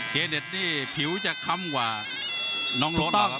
เจเน็ตนี่ผิวจะค่ำกว่าน้องโรดเหรอครับ